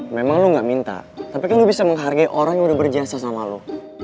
memang lo gak minta tapi kan lo bisa menghargai orang yang udah berjasa sama lo